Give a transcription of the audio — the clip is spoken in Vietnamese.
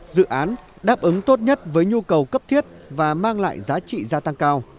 dự án đáp ứng tốt nhất với nhu cầu cấp thiết và mang lại giá trị gia tăng cao